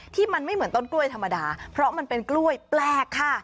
ที่มันไม่เหมือนต้นกล้วยธรรมดาเพราะมันเป็นกล้วยแปลกค่ะ